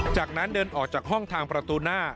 จากนั้นเดินออกจากห้องทางประตูหน้า